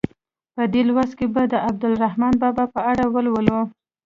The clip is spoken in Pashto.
په دې لوست کې به د عبدالرحمان بابا په اړه ولولئ.